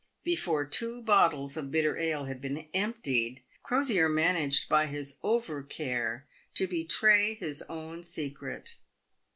Before two bottles of bitter ale had been emptied, Crosier managed by his over care to betray his own secret.